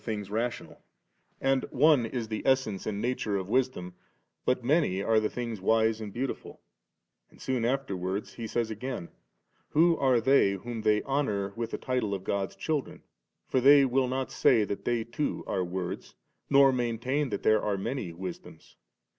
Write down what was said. things rational ; and one it the essence and nature of Wisdom, but many are the things wise and beautiful' And soon afterwards he says i^n: — *Who are they whom they honour with the title of God's children? for they will not say that they too are words, nor maintain that there are manv wisdoms.